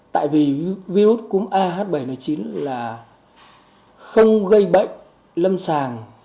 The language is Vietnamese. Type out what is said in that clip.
tại vì virus cúm a h bảy n chín là không gây bệnh lâm sàng